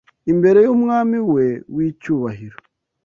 imbere y’Umwami we w’icyubahiro,